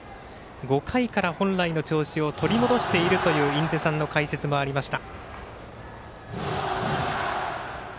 ５回から本来の調子を取り戻しているという印出さんの解説もありました。